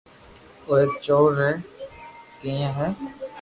او ايڪ چور ري ڪياني ھي